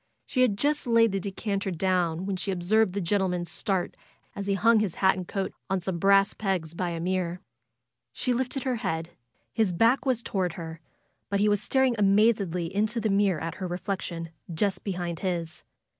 She had just laid the decanter down when she observed the gentleman start as he hung his coat and hat on some brass pegs by a mirror. She lifted her head. His back was toward her, but he was staring amazedly into the mirror at her reflection just behind his.